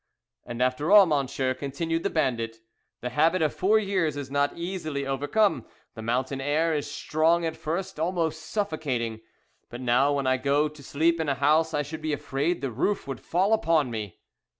"And after all, monsieur," continued the bandit, "the habit of four years is not easily overcome. The mountain air is strong at first, almost suffocating but now when I go to sleep in a house I should be afraid the roof would fall upon me."